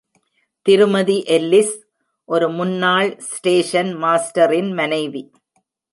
திருமதி எல்லிஸ் ஒரு முன்னாள் ஸ்டேஷன் மாஸ்டரின் மனைவி.